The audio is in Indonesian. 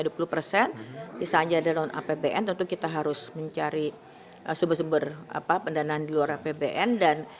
misalnya dalam apbn tentu kita harus mencari sumber sumber pendanaan di luar apbn